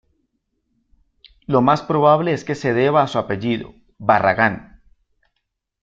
Lo más probable es que se deba a su apellido, Barragán.